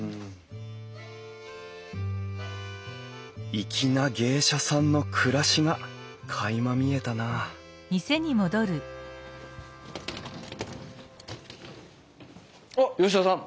粋な芸者さんの暮らしがかいま見えたなおっ吉田さん！